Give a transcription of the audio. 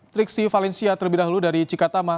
triksi valencia terlebih dahulu dari cikatama